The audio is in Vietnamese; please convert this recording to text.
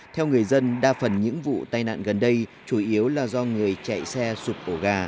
theo người dân đa phần những vụ tai nạn gần đây chủ yếu là do người chạy xe sụp ổ gà